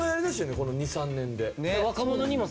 この２３年で。